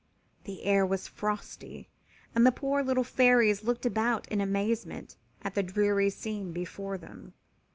The air was frosty and the poor little Fairies looked about in amazement at the dreary scene before them.